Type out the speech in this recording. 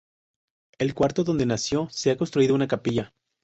El cuarto donde nació, se ha construido una capilla.